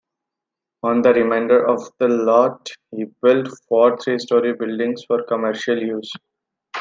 On the remainder of the lot he built four three-story buildings for commercial use.